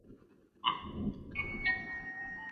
لور ته داسي لارښوونې مه کوئ چي هغه وپارول سي.